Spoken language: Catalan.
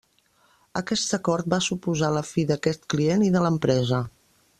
Aquest acord va suposar la fi d'aquest client i de l'empresa.